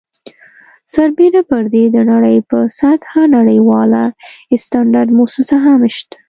سربیره پر دې د نړۍ په سطحه نړیواله سټنډرډ مؤسسه هم شته.